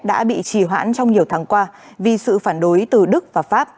đã bị trì hoãn trong nhiều tháng qua vì sự phản đối từ đức và pháp